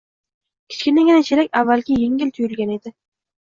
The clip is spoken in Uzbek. Kichkinagina chelak avvaliga yengil tuyulgan edi.